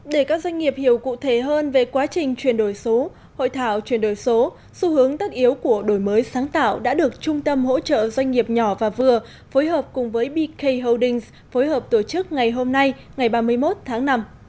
để các doanh nghiệp hiểu cụ thể hơn về quá trình chuyển đổi số hội thảo chuyển đổi số xu hướng tất yếu của đổi mới sáng tạo đã được trung tâm hỗ trợ doanh nghiệp nhỏ và vừa phối hợp cùng với bk holdings phối hợp tổ chức ngày hôm nay ngày ba mươi một tháng năm